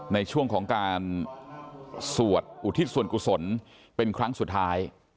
ในช่วงของการสวดอุทิศส่วนกุศลเป็นครั้งสุดท้าย